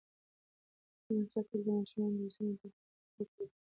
نظم ساتل د ماشومانو روزنې برخه ده ترڅو کورنۍ کې سکون وي.